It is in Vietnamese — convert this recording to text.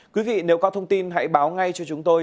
quý vị nếu có thông tin hãy báo ngay cho chúng tôi